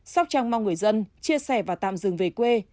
sóc trăng mong người dân chia sẻ và tạm dừng về quê